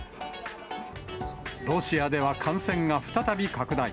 ロシアでは感染が再び拡大。